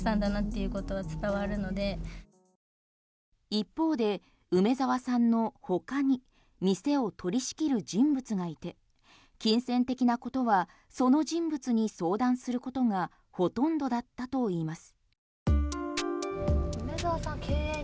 一方で、梅澤さんの他に店を取り仕切る人物がいて金銭的なことはその人物に相談することがほとんどだったといいます。